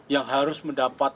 yang harus mendapat